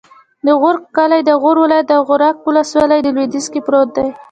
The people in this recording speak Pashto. د غورک کلی د غور ولایت، غورک ولسوالي په لویدیځ کې پروت دی.